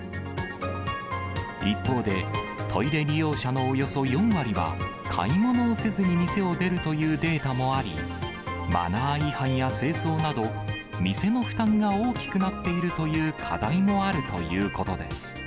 一方で、トイレ利用者のおよそ４割は、買い物をせずに店を出るというデータもあり、マナー違反や清掃など、店の負担が大きくなっているという課題もあるということです。